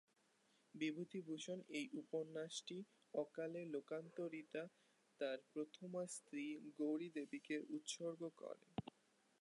বিভূতিভূষণ এই উপন্যাসটি অকালে-লোকান্তরিতা তার প্রথমা স্ত্রী গৌরী দেবীকে উৎসর্গ করেন।